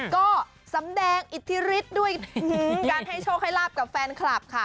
ก็สำแดงอิทธิฤทธิ์ด้วยการให้โชคให้ลาบกับแฟนคลับค่ะ